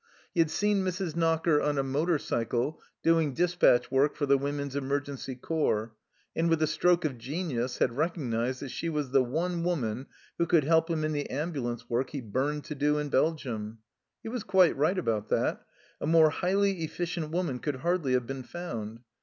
He had seen Mrs. Knocker on a motor cycle doing despatch work for the Women's Emergency Corps, and with a stroke of genius had recognized that she was the one woman who could help him in the ambulance work he burned to do in Belgium. He was quite right about that. A more highly efficient woman could hardly have been found.